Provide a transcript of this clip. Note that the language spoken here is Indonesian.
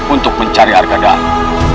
untuk mencari arga dana